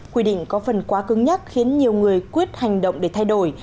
quy định có phần quá cứng nhắc khiến nhiều người quyết hành động để thay đổi